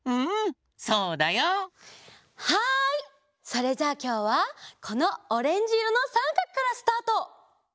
それじゃあきょうはこのオレンジいろのさんかくからスタート。